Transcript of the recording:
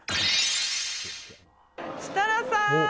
設楽さん！